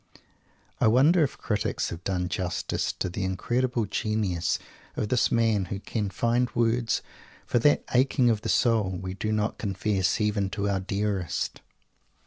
I wonder if critics have done justice to the incredible genius of this man who can find words for that aching of the soul we do not confess even to our dearest?